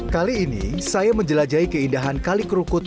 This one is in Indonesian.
kali ini saya menjelajahi keindahan kali kerukut